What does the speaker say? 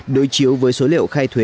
đối chiếu với số liệu phát triển